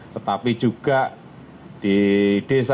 tetapi juga di desa